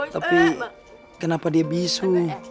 tapi kenapa dia bisu